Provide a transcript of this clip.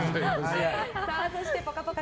そして「ぽかぽか」